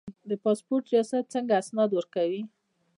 د پاسپورت ریاست څنګه اسناد ورکوي؟